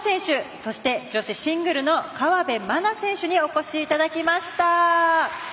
そして女子シングルの河辺愛菜選手にお越しいただきました。